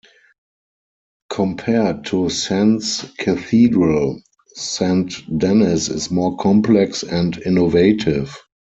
Compared to Sens Cathedral, St.-Denis is more complex and innovative.